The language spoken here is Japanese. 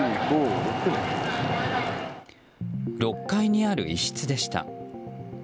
６階にある一室でした。